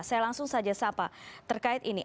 saya langsung saja sapa terkait ini